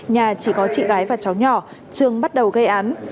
nhà chỉ có chị gái và cháu nhỏ trường bắt đầu gây án